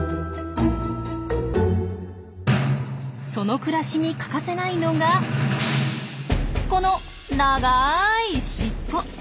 その暮らしに欠かせないのがこの長い尻尾。